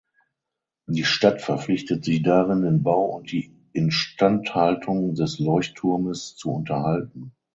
Die Stadt verpflichtet sich darin den Bau und die Instandhaltung des Leuchtturmes zu unterhalten.